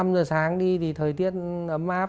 năm giờ sáng đi thì thời tiết ấm mát